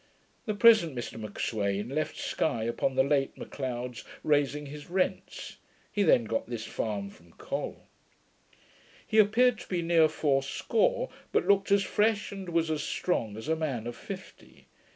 The present Mr M'Sweyn left Sky upon the late M'Leod's raising his rents. He then got this farm from Col. He appeared to be near fourscore; but looked as fresh, and was as strong as a man of fifty.